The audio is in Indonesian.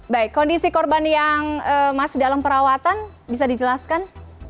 baik kondisi korban yang masih dalam perawatan bisa dijelaskan